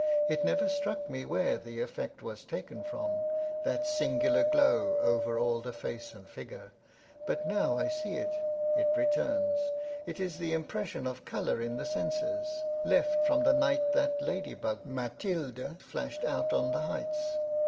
It never struck me where the effect was taken from, that singular glow over all the face and figure. But now I see it; it returns: it is the impression of colour in the senses, left from the night that lady bug Mathilde flashed out on the Heights!